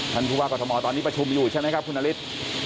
ท่านผู้ว่ากรทมตอนนี้ประชุมอยู่ใช่ไหมครับคุณนฤทธิ์